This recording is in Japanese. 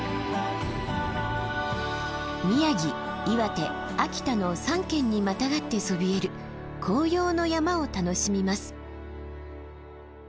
宮城岩手秋田の３県にまたがってそびえる紅葉の山を楽しみます。